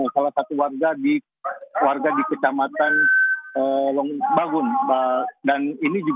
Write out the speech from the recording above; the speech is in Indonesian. salah satu warga di kecamatan